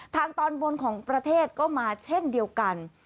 ทางตอนบนของประเทศก็มาเช่นเดียวกัน